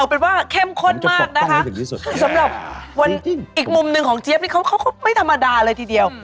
เป็นว่าเข้มข้นมากนะคะสำหรับวันอีกมุมหนึ่งของเจี๊ยบนี่เขาก็ไม่ธรรมดาเลยทีเดียว